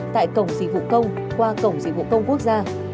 tại cổng dịch vụ công qua cổng dịch vụ công quốc gia